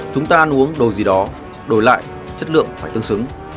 chúng ta ăn uống đồ gì đó đổi lại chất lượng phải tương xứng